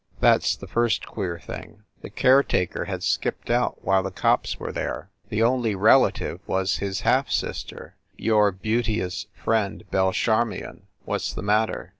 That s the first queer thing. The caretaker had skipped out while the cops were there. The only relative was his half sister your beaute ous friend, Belle Charmion. What s the matter?"